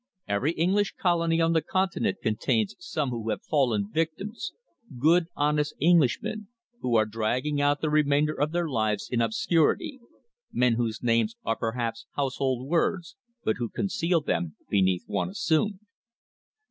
Every English colony on the Continent contains some who have fallen victims good, honest Englishmen who are dragging out the remainder of their lives in obscurity, men whose names are perhaps household words, but who conceal them beneath one assumed.